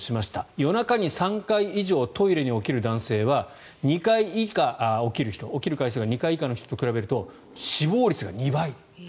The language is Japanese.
夜中に３回以上トイレに起きる男性は起きる回数が２回以下の人と比べると死亡率が２倍。